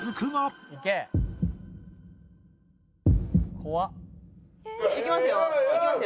「怖っ」いきますよ。